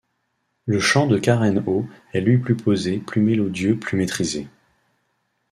Le chant de Karen O est lui plus posé, plus mélodieux, plus maîtrisé.